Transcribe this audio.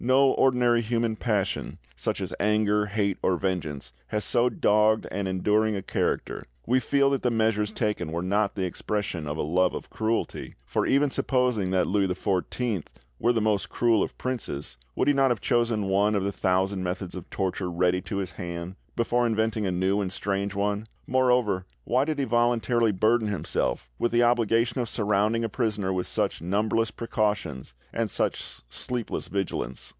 No ordinary human passion, such as anger, hate, or vengeance, has so dogged and enduring a character; we feel that the measures taken were not the expression of a love of cruelty, for even supposing that Louis XIV were the most cruel of princes, would he not have chosen one of the thousand methods of torture ready to his hand before inventing a new and strange one? Moreover, why did he voluntarily burden himself with the obligation of surrounding a prisoner with such numberless precautions and such sleepless vigilance?